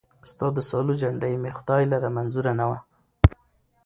ستا د سالو جنډۍ مي خدای لره منظوره نه وه